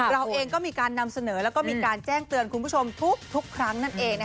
เราเองก็มีการนำเสนอแล้วก็มีการแจ้งเตือนคุณผู้ชมทุกครั้งนั่นเอง